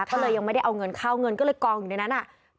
ก็เลยยังไม่ได้เอาเงินเข้าเงินก็เลยกองอยู่ในนั้น